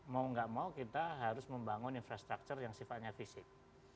mau nggak mau kita harus membangun infrastruktur yang sifatnya fisik